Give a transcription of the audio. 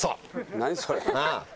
何それ。